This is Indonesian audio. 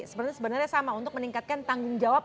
sebenarnya sama untuk meningkatkan tanggung jawab